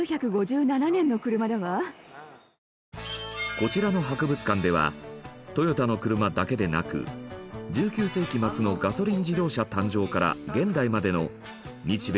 こちらの博物館ではトヨタの車だけでなく１９世紀末のガソリン自動車誕生から現代までの日米欧の車両を１４０台以上も展示。